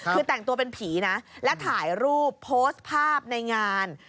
คือแต่งตัวเป็นผีนะและถ่ายรูปโพสต์ภาพในงาน